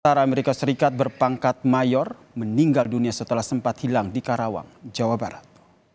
antara amerika serikat berpangkat mayor meninggal dunia setelah sempat hilang di karawang jawa barat